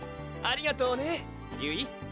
ありがとうねゆい